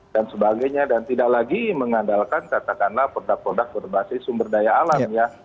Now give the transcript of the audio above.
sebagainya dan tidak lagi mengandalkan katakanlah produk produk berbasis sumber daya alam ya